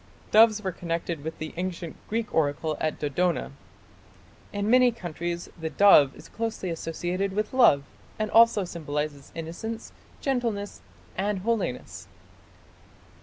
Doves were connected with the ancient Greek oracle at Dodona. In many countries the dove is closely associated with love, and also symbolizes innocence, gentleness, and holiness.